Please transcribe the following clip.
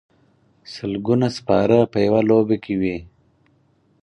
سلګونه سپاره په یوه لوبه کې وي.